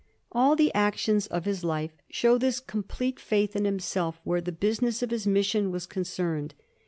All the actions of his life show this complete faith in himself where the business of his mission was concerned.